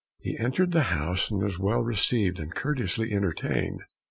He entered the house, and was well received and courteously entertained.